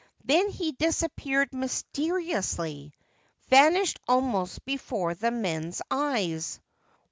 Then he disappeared mysteriously — vanished almost before the men's eyes.